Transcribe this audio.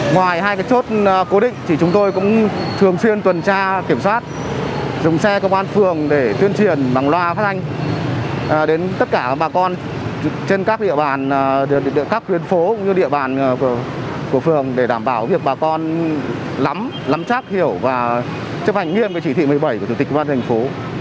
ngoài hai cái chốt cố định thì chúng tôi cũng thường xuyên tuần tra kiểm soát dùng xe công an phường để tuyên truyền bằng loa phát thanh đến tất cả bà con trên các địa bàn các tuyến phố cũng như địa bàn của phường để đảm bảo việc bà con lắm lắm chắc hiểu và chấp hành nghiêm cái chỉ thị một mươi bảy của chủ tịch công an thành phố